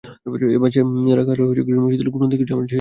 এটা বাঁচিয়ে রাখে ঘৃণার হিমশীতল নদীকে যা আমার শিরা দিয়ে প্রবাহিত হয়।